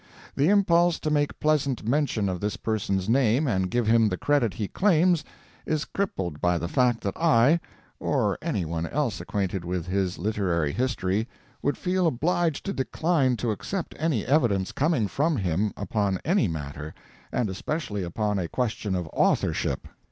The impulse to make pleasant mention of this person's name and give him the credit he claims, is crippled by the fact that I, or any one else acquainted with his literary history, would feel obliged to decline to accept any evidence coming from him, upon any matter, and especially upon a question of authorship.